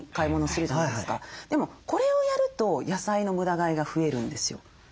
でもこれをやると野菜の無駄買いが増えるんですよ。